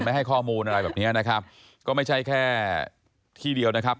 ให้ข้อมูลอะไรแบบเนี้ยนะครับก็ไม่ใช่แค่ที่เดียวนะครับ